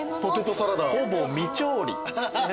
ほぼ未調理。